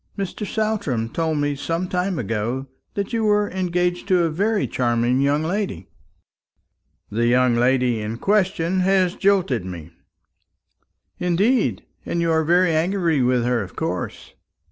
Mr. Saltram told me some time ago that you were engaged to a very charming young lady." "The young lady in question has jilted me." "Indeed! And you are very angry with her, of course?"